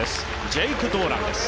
ジェイク・ドーランです。